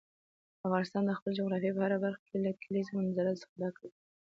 افغانستان د خپلې جغرافیې په هره برخه کې له کلیزو منظره څخه ډک دی.